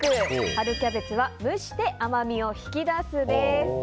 春キャベツは蒸して甘みをひきだすです。